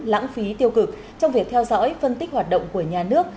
lãng phí tiêu cực trong việc theo dõi phân tích hoạt động của nhà nước